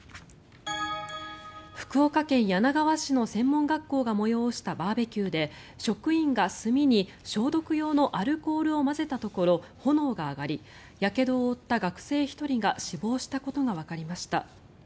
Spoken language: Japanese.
福岡県柳川市の専門学校が催したバーベキューで職員が炭に消毒用のアルコールを混ぜたところ炎が上がりやけどを負った学生１人が死亡したことがわかりました。